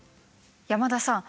山田さん